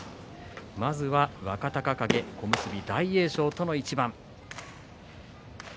まずは若隆景小結大栄翔との一番。